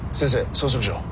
そうしましょう。